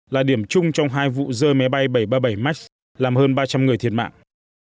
là điểm chung trong hai vụ rơi máy bay bảy trăm ba mươi bảy max làm hơn ba trăm linh người thiệt mạng